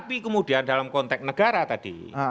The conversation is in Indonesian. tapi kemudian dalam konteks negara tadi